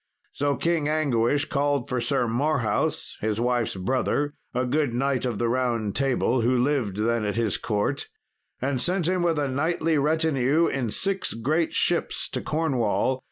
So King Anguish called for Sir Marhaus, his wife's brother, a good knight of the Round Table, who lived then at his court, and sent him with a knightly retinue in six great ships to Cornwall.